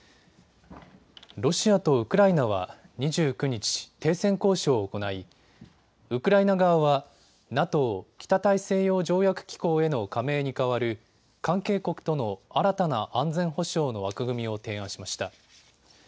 ロシアとウクライナは２９日、停戦交渉を行いウクライナ側はＮＡＴＯ・北大西洋条約機構への加盟に代わる関係国との新たな安全保障の枠組みを提案しました。